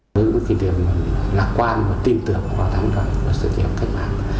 nếu có kinh nghiệm lạc quan và tin tưởng vào thắng đoạn và sự kiểm tra mạng